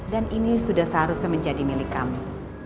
dan ini sudah seharusnya menjadi milik kamu